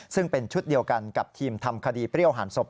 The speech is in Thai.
ซึ่งเป็นชุดเดียวกันกับทีมทำคดีเปรี้ยวหันศพ